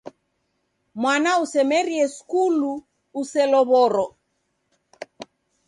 Mwana usemerie skulu uselow'oro.